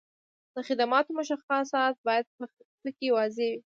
د خدماتو مشخصات باید په کې واضح وي.